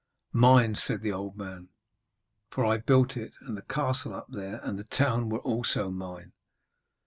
'Mine,' said the old man, 'for I built it. And the castle up there and the town were also mine.'